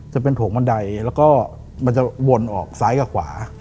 จะเป็นโถงบันไดแล้วก็มันจะวนออกซ้ายกับขวา